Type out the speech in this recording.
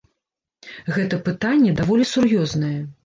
Гэта пытанне даволі сур'ёзнае.